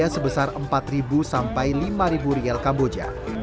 sebesar rp empat sampai rp lima kamboja